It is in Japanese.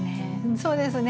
そうですね